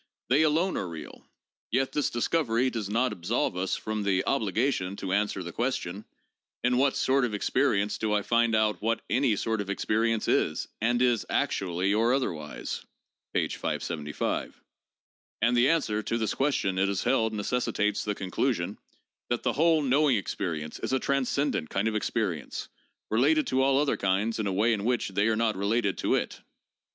PSYCHOLOGY AND SCIENTIFIC METHODS 659 they alone are real, yet this discovery does not absolve us from the obligation to answer the question, 'In what sort of experience do I find out what any sort of experience is, and is actually or other wise?' (p. 575). And the answer to this question, it is held, neces sitates the conclusion that ' the whole knowing experience is a trans cendent kind of experience, related to all other kinds in a way in which they are not related to it' (p.